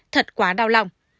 thật quá đau lòng